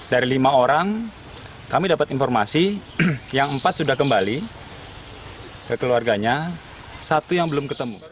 dari lima orang kami dapat informasi yang empat sudah kembali ke keluarganya satu yang belum ketemu